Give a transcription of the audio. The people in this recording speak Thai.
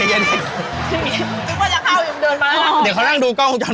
มันก็แบบได้ความสดของหอยเชลล์